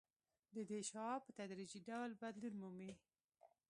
د دې شعاع په تدریجي ډول بدلون مومي